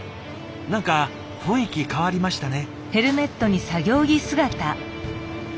何か雰囲気変わりましたね。